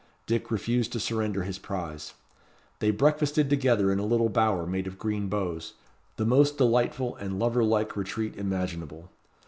Dick refused to surrender his prize. They breakfasted together in a little bower made of green boughs, the most delightful and lover like retreat imaginable.